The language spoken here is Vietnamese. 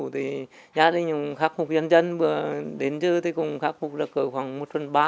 thì cùng với sự hỗ trợ nữa